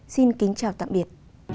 xin kính chào tạm biệt